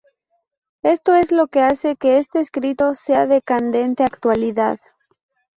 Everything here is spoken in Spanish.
Esto es lo que hace que este escrito sea de candente actualidad.